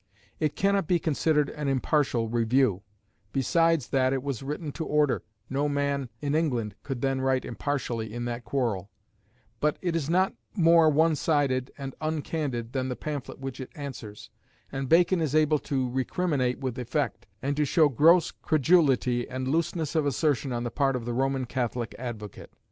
It cannot be considered an impartial review; besides that it was written to order, no man in England could then write impartially in that quarrel; but it is not more one sided and uncandid than the pamphlet which it answers, and Bacon is able to recriminate with effect, and to show gross credulity and looseness of assertion on the part of the Roman Catholic advocate.